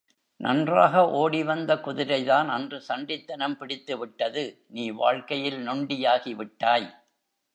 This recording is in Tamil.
நன்றாக ஓடி வந்த குதிரைதான் அன்று சண்டித்தனம் பிடித்துவிட்டது நீ வாழ்க்கையில் நொண்டியாகிவிட்டாய்.